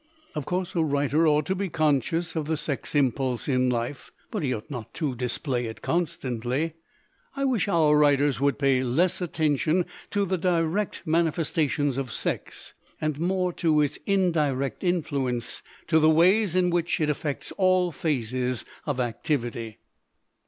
Of course a writer ought to be conscious of the sex impulse in life, but he ought not to display it constantly. I wish our writers would pay less attention to the direct manifestations of sex and more to its in direct influence, to the ways in which it affects all phases of activity."